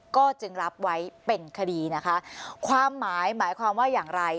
ก็จึงรับไว้เป็นคดีนะคะความหมายหมายความว่าอย่างไร